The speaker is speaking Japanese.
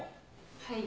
・はい。